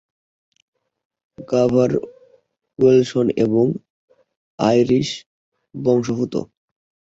Carver Welsh এবং Irish বংশোদ্ভূত।